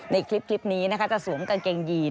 ในคลิปนี้นะคะจะสวมกางเกงยีน